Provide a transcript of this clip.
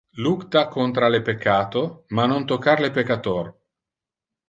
Lucta contra le peccato, ma non tocca le peccator.